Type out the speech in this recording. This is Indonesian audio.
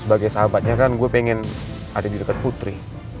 sebagai sahabatnya kan gue pengen ada di dekat putri